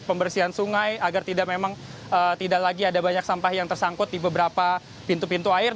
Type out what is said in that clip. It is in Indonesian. pembersihan sungai agar tidak memang tidak lagi ada banyak sampah yang tersangkut di beberapa pintu pintu air